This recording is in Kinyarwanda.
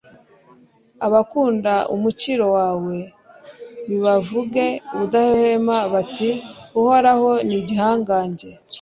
abakunda umukiro wawe nibavuge ubudahwema, bati uhoraho ni igihangange